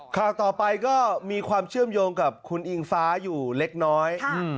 ข่าวต่อไปก็มีความเชื่อมโยงกับคุณอิงฟ้าอยู่เล็กน้อย